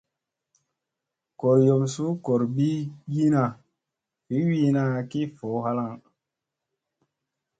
Gooryom suu goor boygina vi wiina ki voo halaŋ.